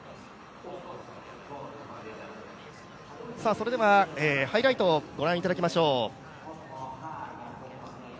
それではハイライトをご覧いただきましょう。